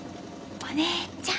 お姉ちゃん。